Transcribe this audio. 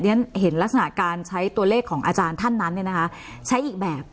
ฉันเห็นลักษณะการใช้ตัวเลขของอาจารย์ท่านนั้นเนี่ยนะคะใช้อีกแบบ